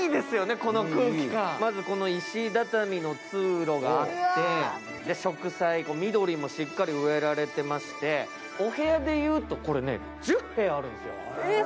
まず石畳の通路があって、植栽、緑もしっかり植えられていまして、お部屋でいうと１０部屋あるんですよ。